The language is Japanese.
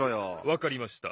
わかりました。